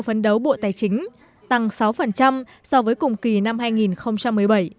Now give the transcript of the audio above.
phấn đấu bộ tài chính tăng sáu so với cùng kỳ năm hai nghìn một mươi bảy